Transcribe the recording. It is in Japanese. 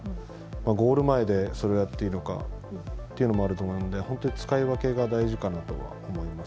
ゴール前でそれをやっていいのかっていうのもあると思うので本当に使い分けが大事かなとは思います。